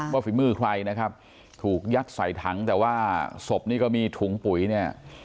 ฝีมือใครนะครับถูกยัดใส่ถังแต่ว่าศพนี่ก็มีถุงปุ๋ยเนี่ย